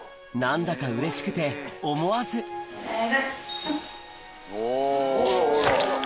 何だかうれしくて思わず偉い。